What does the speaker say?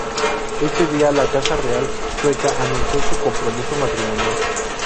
Ese día la casa real sueca anunció su compromiso matrimonial.